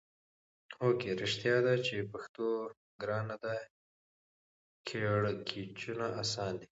هو کې! رښتیا ده چې پښتو ګرانه ده کیړکیچو اسانه ده.